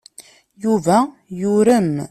Yuba yurem.